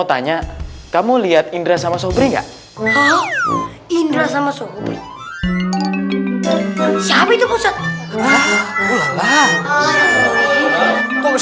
tanya kamu lihat indra sama sobri nggak indra sama sobri siapa itu ustadz